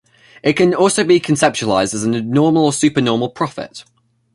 It can also be conceptualised as abnormal or supernormal profit.